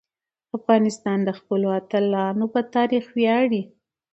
افغانستان د خپلو اتلانو په تاریخ ویاړي.